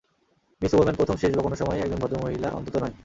Miss Hubermann প্রথম, শেষ বা কোনসময়েই একজন ভদ্র-মহিলা অন্তত নয়।